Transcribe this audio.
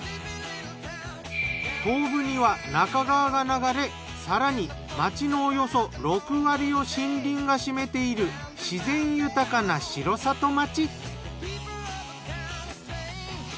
東部には那珂川が流れ更に町のおよそ６割を森林が占めている自然豊かな城里町。